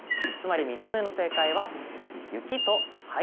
つまり３つ目の正解は。